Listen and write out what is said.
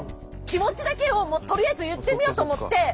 気持ちだけをとりあえず言ってみようと思って。